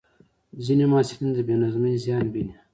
ځینې محصلین د بې نظمۍ زیان ویني.